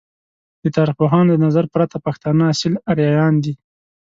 د تاریخ پوهانو د نظر پرته ، پښتانه اصیل آریایان دی!